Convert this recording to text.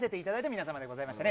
皆様でございますね。